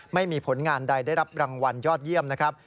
ไม่มีผลงานใดได้รับรางวัลยอดเยี่ยมนะครับ